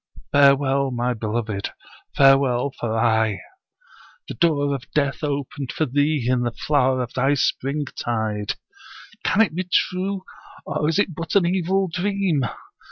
Farewell, my beloved, farewell for ay. The door of death opened for thee in the flower of thy springtide. Can it be true, or is it but an evil dream?